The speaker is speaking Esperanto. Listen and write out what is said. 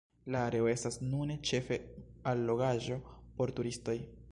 La areo estas nune ĉefe allogaĵo por turistoj.